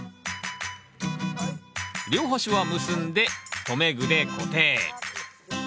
両端は結んで留め具で固定。